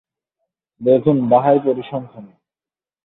দেখুন বাহাই পরিসংখ্যান।